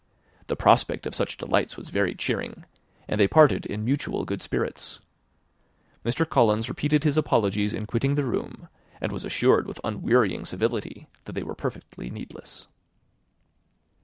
The prospect of such delights was very cheering, and they parted in mutual good spirits. Mr. Collins repeated his apologies in quitting the room, and was assured, with unwearying civility, that they were perfectly needless.